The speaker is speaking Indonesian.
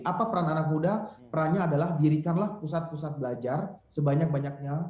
apa peran anak muda perannya adalah dirikanlah pusat pusat belajar sebanyak banyaknya